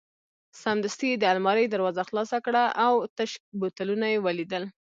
سمدستي یې د المارۍ دروازه خلاصه کړل او تش بوتلونه یې ولیدل.